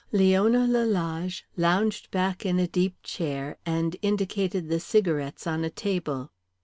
Leona Lalage lounged back in a deep chair and indicated the cigarettes on a table.